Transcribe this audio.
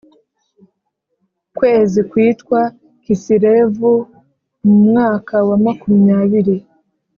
kwezi kwitwa Kisilevu mu mwaka wa makumyabiri